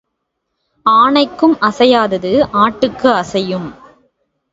ஆனைக்கும் அசையாதது ஆட்டுக்கு அசையும்.